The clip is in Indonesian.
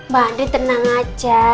bandin tenang aja